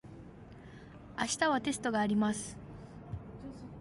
明日はテストがあります。